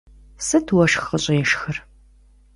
Сыт уэшх къыщӀешхыр?